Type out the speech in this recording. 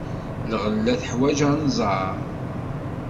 Lɣella teḥwaj anẓar.